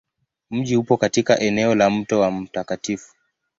Mji upo katika eneo la Mto wa Mt.